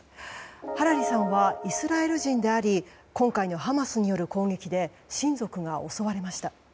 ハラリさんはイスラエル人であり今回のハマスによる攻撃で親族が襲われました。